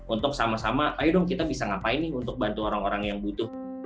untuk sama sama ayo dong kita bisa ngapain nih untuk bantu orang orang yang butuh